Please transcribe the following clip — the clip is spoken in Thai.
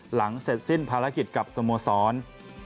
หลังเสร็จสิ้นภารกิจกับสโมสร